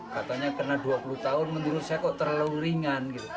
katanya kena dua puluh tahun menurut saya kok terlalu ringan gitu